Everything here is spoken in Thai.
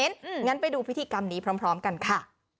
งั้นไปดูพิธีกรรมนี้พร้อมกันค่ะ